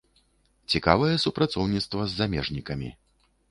Цікавае супрацоўніцтва з замежнікамі.